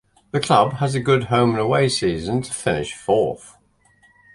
The club had a good home-and-away season to finish fourth.